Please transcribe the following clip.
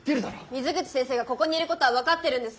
水口先生がここにいることは分かってるんです。